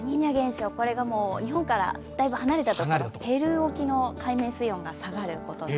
これが日本からだいぶ離れたところ、ペルー沖の海面水温が下がることです。